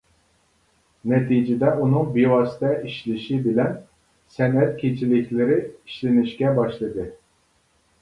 نەتىجىدە ئۇنىڭ بىۋاسىتە ئىشلىشى بىلەن سەنئەت كېچىلىكلىرى ئىشلىنىشكە باشلىدى.